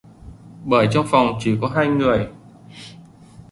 Bởi trong phòng chỉ có hai người